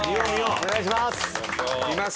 お願いします！